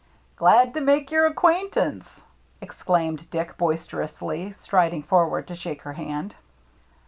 "Glad to make your acquaintance," ex claimed Dick, boisterously, striding forward to shake her hand.